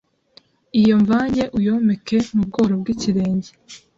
Iyo mvange uyomeke mu bworo bw’ikirenge